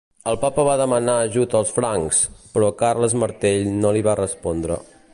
El Papa va demanar ajut als francs, però Carles Martell no li va respondre.